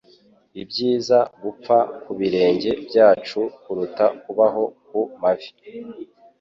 Ibyiza gupfa ku birenge byacu, kuruta kubaho ku mavi.